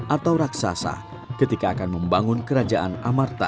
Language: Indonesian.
atau raksasa ketika akan membangun kerajaan amarta